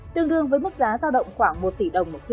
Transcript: tương đương với mức giá giao động khoảng một tỷ đồng một kg